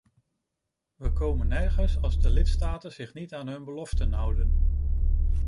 We komen nergens als de lidstaten zich niet aan hun beloften houden.